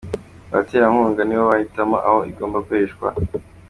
Abaterankunga nibo bahitamo aho igomba gukoreshwa .